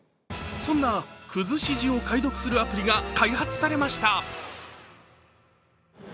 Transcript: そんなくずし字を解読するアプリが開発されました。